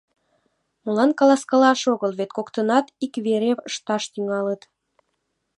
Молан каласкалаш огыл, вет коктынат ик вере ышташ тӱҥалыт.